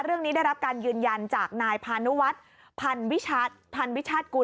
เรื่องนี้ได้รับการยืนยันจากนายพาณุวัฒน์พันวิชัศกุล